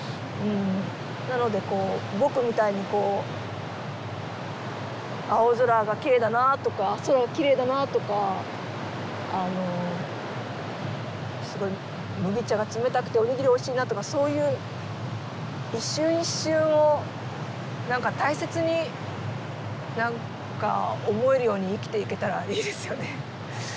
うんなのでこう「ぼく」みたいにこう青空がきれいだなとか空がきれいだなとかあのすごい麦茶が冷たくておにぎりおいしいなとかそういう一瞬一瞬を何か大切に何か思えるように生きていけたらいいですよね。